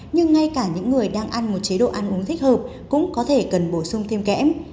nhưng ngay cả những người đang ăn một chế độ ăn uống thích hợp cũng có thể cần bổ sung thêm kẽm